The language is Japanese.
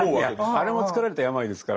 あれもつくられた病ですから。